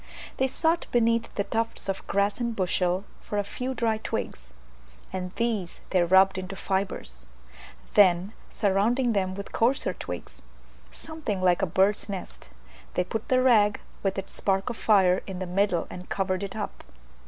They sought beneath the tufts of grass and bushel for a few dry twigs, and these they rubbed into fibres; then surrounding them with coarser twigs, something like a bird's nest, they put the rag with its spark of fire in the middle and covered it up.